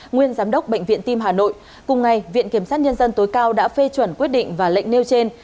nguyên giám đốc bệnh viện tim hà nội cùng ngày viện kiểm sát nhân dân tối cao đã phê chuẩn quyết định và lệnh nêu trên